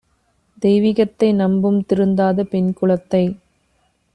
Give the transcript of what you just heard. தெய்விகத்தை நம்பும் திருந்தாத பெண்குலத்தை